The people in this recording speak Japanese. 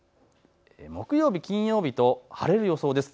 木曜日、金曜日と晴れる予想です。